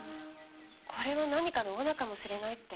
これは何かの罠かもしれないって。